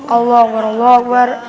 allah akbar allah akbar